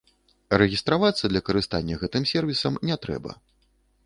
Рэгістравацца для карыстання гэтым сэрвісам не трэба.